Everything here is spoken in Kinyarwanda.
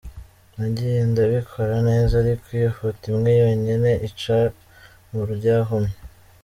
"Nagiye ndabikora neza ariko iyo foto imwe yonyene inca mu ryahumye.